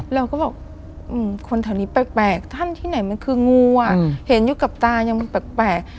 เราก็บอกคนแถวนี้แปลกท่านที่ไหนมันคืองูอ่ะเห็นอยู่กับตายังแปลก